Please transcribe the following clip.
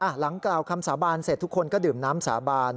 หลังกล่าวคำสาบานเสร็จทุกคนก็ดื่มน้ำสาบาน